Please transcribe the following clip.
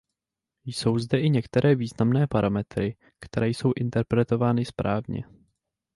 Jsou zde i některé významné parametry, které jsou interpretovány správně.